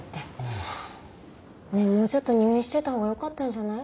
もうちょっと入院してたほうがよかったんじゃない？